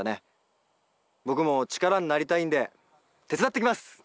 僕も力になりたいんで手伝ってきます！